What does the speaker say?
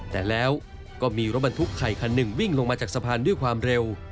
แต่แล้วก็มีรถบรรทุกไข่คันหนึ่งวิ่งลงมาจากสะพานด้วยความเร็ว